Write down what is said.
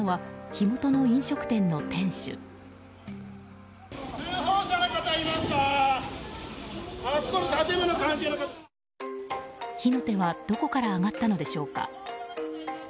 火の手はどこから上がったのでしょうか。